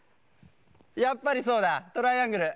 やっぱりそうだトライアングル。